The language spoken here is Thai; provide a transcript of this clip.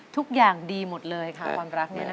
ทุกอย่างดีหมดเลยค่ะความรัก